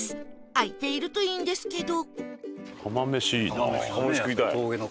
開いているといいんですけど